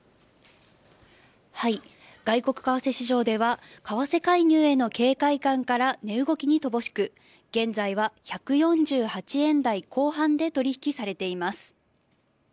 外国為替市場では、為替介入への警戒感から、値動きに乏しく、現在は１４８円台後半で取り引きされています。